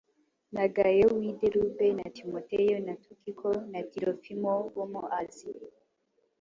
na Gayo w’i Derube, na Timoteyo na Tukiko na Tirofimo bo mu Asiya.